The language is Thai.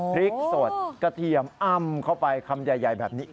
พริกสดกระเทียมอ้ำเข้าไปคำใหญ่แบบนี้